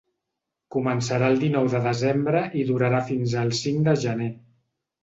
Començarà el dinou de desembre i durarà fins el cinc de gener.